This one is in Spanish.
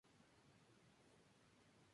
Debido a su condición de profesional.